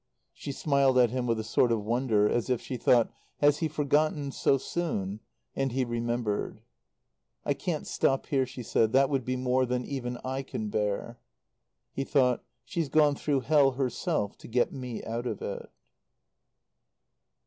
She smiled at him with a sort of wonder, as if she thought: "Has he forgotten, so soon?" And he remembered. "I can't stop here," she said. "That would be more than even I can bear." He thought: "She's gone through hell herself, to get me out of it."